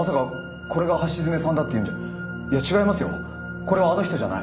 これはあの人じゃない。